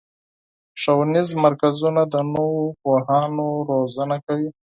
ښوونیز مرکزونه د نوو پوهانو روزنه کوي.